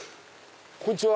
こんにちは。